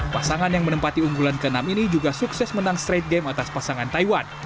pasangan yang menempati unggulan ke enam ini juga sukses menang straight game atas pasangan taiwan